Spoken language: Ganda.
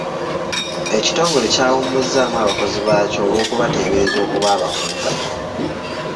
Ekitongole kyawummuzaamu abakozi baakyo olw'okubateebereza okuba abakumpanya.